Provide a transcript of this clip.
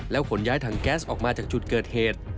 ขนย้ายถังแก๊สออกมาจากจุดเกิดเหตุ